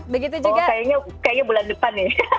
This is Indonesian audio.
begitu juga kayaknya bulan depan nih